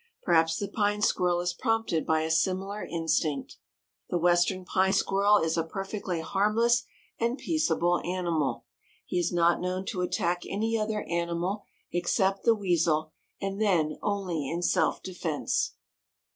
Perhaps the Pine Squirrel is prompted by a similar instinct. The Western Pine Squirrel is a perfectly harmless and peaceable animal. He is not known to attack any other animal except the weasel, and then only in self defense.